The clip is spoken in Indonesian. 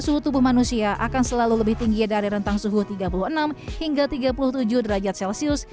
suhu tubuh manusia akan selalu lebih tinggi dari rentang suhu tiga puluh enam hingga tiga puluh tujuh derajat celcius